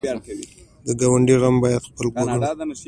د ګاونډي غم باید خپل وګڼو